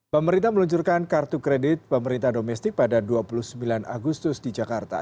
pemerintah meluncurkan kartu kredit pemerintah domestik pada dua puluh sembilan agustus di jakarta